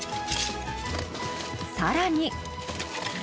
更に。